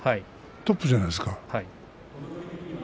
トップじゃないですか。